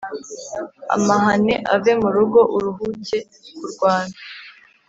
Amahane ave mu rugoUruhuke kurwana